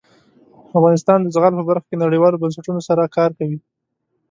افغانستان د زغال په برخه کې نړیوالو بنسټونو سره کار کوي.